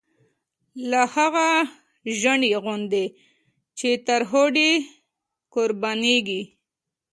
لا هغه ژڼۍ ژوندۍ دی، چی تر هوډه قربانیږی